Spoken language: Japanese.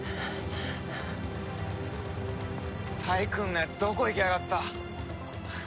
タイクーンのやつどこ行きやがった？